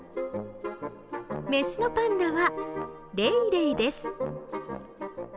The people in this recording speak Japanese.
雌のパンダはレイレイです。